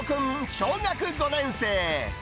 小学５年生。